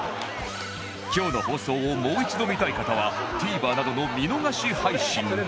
今日の放送をもう一度見たい方は ＴＶｅｒ などの見逃し配信で